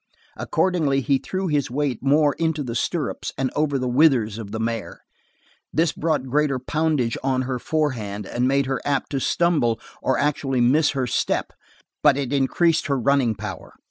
Accordingly he threw his weight more into the stirrups and over the withers of the mare. This brought greater poundage on her forehand and made her apt to stumble or actually miss her step, but it increased her running power.